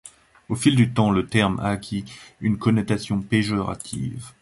Au fil du temps, le terme a acquis une connotation péjorative.